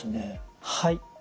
はい。